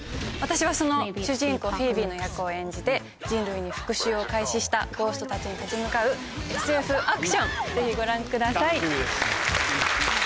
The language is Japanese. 私はその主人公フィービーの役を演じて人類に復讐を開始したゴーストたちに立ち向かうＳＦアクションぜひご覧ください。